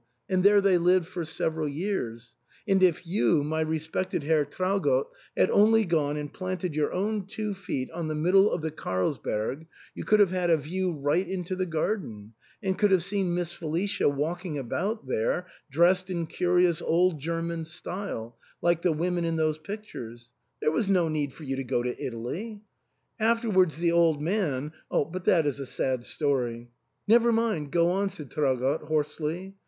And there they lived for several years ; and if you, my respected Herr Traugott, had only gone and planted your own two feet on the middle of the Carls berg, you could have had a view right into the garden, and could have seen Miss Felicia walking about there dressed in curious old German style, like the women in those pictures — there was no need for you to go to Italy. Afterwards the old man — but that is a sad story" "Never mind; go on," said Traugott, hoarsely.